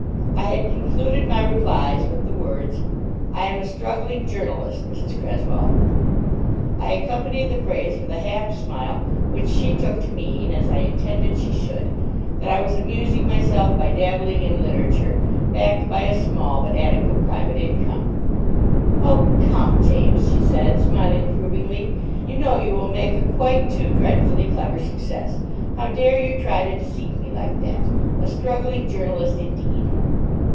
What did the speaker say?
I had concluded my replies with the words, "I am a struggling journalist, Mrs. Cresswell." I accompanied the phrase with a half smile which she took to mean—as I intended she should—that I was amusing myself by dabbling in literature, backed by a small, but adequate, private income. "Oh, come, James," she said, smiling approvingly, "you know you will make a quite too dreadfully clever success. How dare you try to deceive me like that? A struggling journalist, indeed."